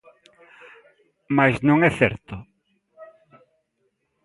Mais non é certo.